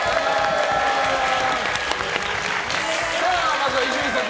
まずは伊集院さん